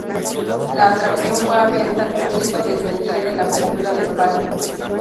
La atracción fue abierta al público desde el día de la apertura del parque.